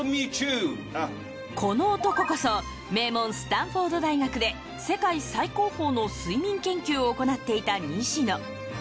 この男こそ名門スタンフォード大学で世界最高峰の睡眠研究を行っていた西野。